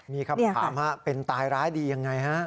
มีคำถามเป็นตายร้ายดียังไงฮะ